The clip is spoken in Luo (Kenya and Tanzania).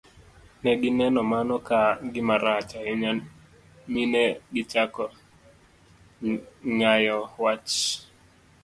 Ne gineno mano ka gima rach ahinya mi ne gichako ng'ayo wach.